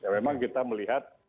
memang kita melihat